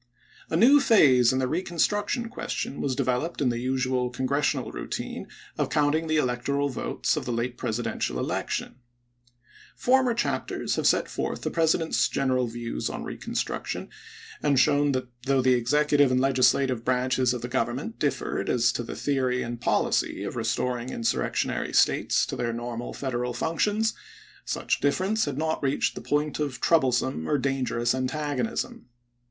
A new phase of the reconstruction question was developed in the usual Congressional routine of counting the electoral votes of the late Presi i86& dential election. Former chapters hava set forth the President's general views on reconstruction, and shown that though the executive and legisla tive branches of the Government differed as to the theory and policy of restoring insurrectionary States to their normal Federal functions, such dif ference had not reached the point of troublesome or dangerous antagonism.